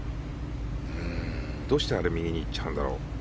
どうして右にいっちゃうんだろう。